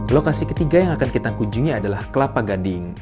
lokasi ketiga yang akan kita kunjungi adalah kelapa gading